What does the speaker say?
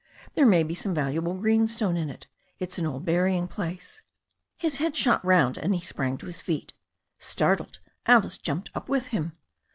"There may be some valuable greenstone in it It's an old burying place '* His head shot round, and he sprang to his feet. Startled, Alice jumped up with him.